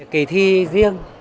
kỷ thi riêng